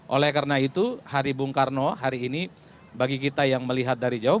oleh karena itu hari bung karno hari ini bagi kita yang melihat dari jauh